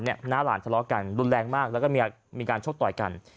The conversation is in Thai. หน้าหลานทะเลาะกันรุนแรงมากแล้วก็มีการชกต่อยกัน